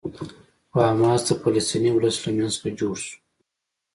خو حماس د فلسطیني ولس له منځ څخه جوړ شو.